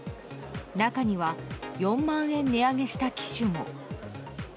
中には、４万円値上げした機種も。